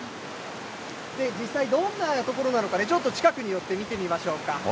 実際、どんな所なのかちょっと近くに寄って見てみましょうか。